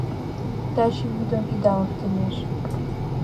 — Таче йӱдым идалык темеш.